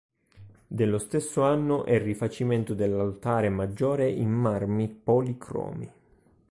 Dello stesso anno è il rifacimento dell'altare maggiore in marmi policromi.